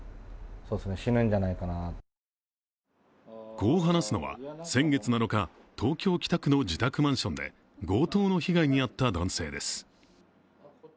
こう話すのは、先月７日、東京・北区の自宅マンションで強盗の被害に遭った男性です。